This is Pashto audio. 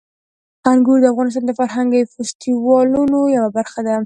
انګور د افغانستان د فرهنګي فستیوالونو یوه برخه ده.